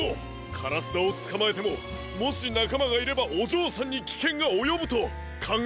からすだをつかまえてももしなかまがいればおじょうさんにきけんがおよぶとかんがえたわけですね。